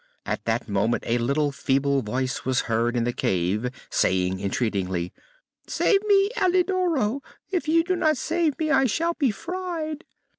At that moment a little feeble voice was heard in the cave, saying entreatingly: "Save me, Alidoro! If you do not save me I shall be fried!"